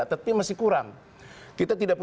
terima kasih pak jamal